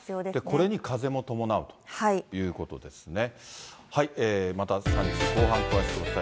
これに風も伴うということですね。